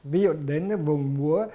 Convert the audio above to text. ví dụ đến vùng múa